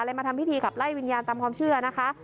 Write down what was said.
มาทำพิธีขับไล่วิญญาณตามความเชื่อนะคะ